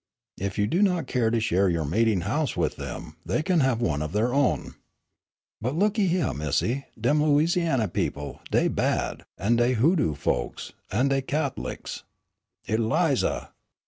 "If you do not care to share your meeting house with them, they can have one of their own." "But, look hyeah, Missy, dem Lousiany people, dey bad an' dey hoodoo folks, an' dey Cath'lics " "Eliza!"